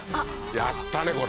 やったねこれ。